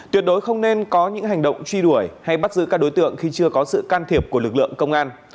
tuyệt đối không nên có những hành động truy đuổi hay bắt giữ các đối tượng khi chưa có sự can thiệp của lực lượng công an